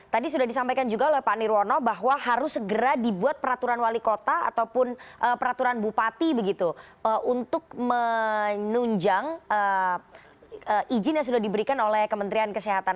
tadi sudah disampaikan juga oleh pak nirwono bahwa harus segera dibuat peraturan wali kota ataupun peraturan bupati begitu untuk menunjang izin yang sudah diberikan oleh kementerian kesehatan